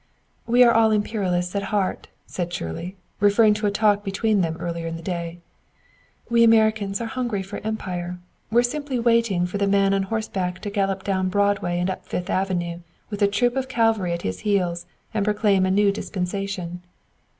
"We're all imperialists at heart," said Shirley, referring to a talk between them earlier in the day. "We Americans are hungry for empire; we're simply waiting for the man on horseback to gallop down Broadway and up Fifth Avenue with a troop of cavalry at his heels and proclaim the new dispensation."